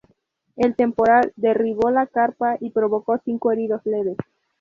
El temporal derribó la carpa y provocó cinco heridos leves.